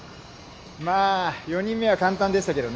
まあ４人目は簡単でしたけどね。